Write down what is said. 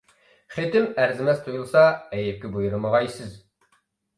خېتىم ئەرزىمەس تۇيۇلسا ئەيىبكە بۇيرۇمىغايسىز.